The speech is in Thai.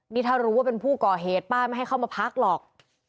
นี่ถ้ารู้ว่าเป็นผู้ก่อเหตุป้าไม่ให้เข้ามาพักหรอก